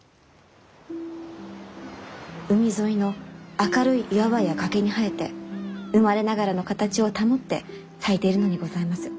海沿いの明るい岩場や崖に生えて生まれながらの形を保って咲いているのにございます。